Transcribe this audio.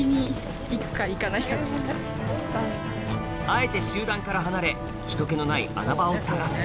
あえて集団から離れ人けのない穴場を探す